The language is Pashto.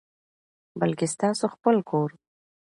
بلکي ستاسو خپل کور،